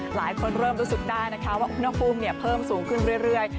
หลายคนเริ่มรู้สึกได้นะคะว่าอุณหภูมิเพิ่มสูงขึ้นเรื่อย